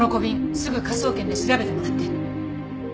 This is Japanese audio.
すぐ科捜研で調べてもらって。